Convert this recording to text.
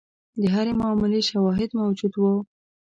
د هرې معاملې شواهد موجود وو.